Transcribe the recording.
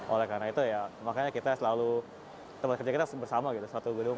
oleh karena itu ya makanya tempat kerja kita selalu bersama gitu